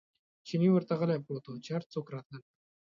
چیني ورته غلی پروت و، چې هر څوک راتلل.